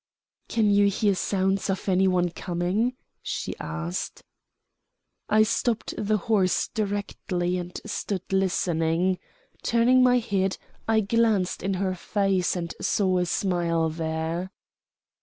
"Can you hear sounds of any one coming?" she asked. I stopped the horse directly and stood listening. Turning my head, I glanced in her face and saw a smile there.